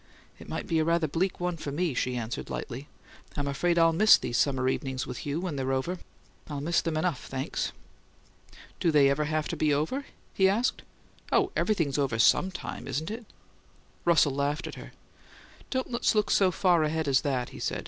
"It might be a rather bleak one for me," she answered, lightly. "I'm afraid I'll miss these summer evenings with you when they're over. I'll miss them enough, thanks!" "Do they have to be over some time?" he asked. "Oh, everything's over some time, isn't it?" Russell laughed at her. "Don't let's look so far ahead as that," he said.